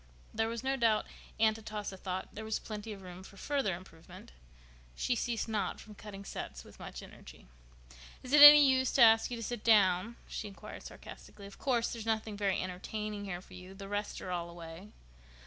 There was no doubt Aunt Atossa thought there was plenty of room for further improvement. She ceased not from cutting sets with much energy. "Is it any use to ask you to sit down?" she inquired sarcastically. "Of course, there's nothing very entertaining here for you. The rest are all away."